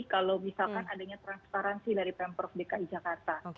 kalau misalkan adanya transparansi dari pemprov dki jakarta